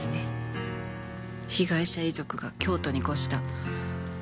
被害者遺族が京都に越した。